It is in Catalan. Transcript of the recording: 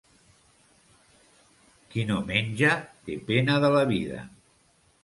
Qui no menja té pena de la vida.